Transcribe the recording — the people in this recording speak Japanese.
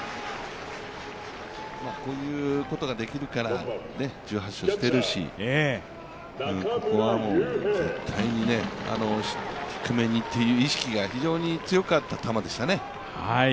こういうことができるから１８勝してるし、ここは絶対に低めにという意識が非常に強かった球ですよね。